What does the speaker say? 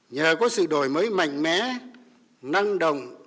nhờ có sự đổi mới mạnh mẽ năng động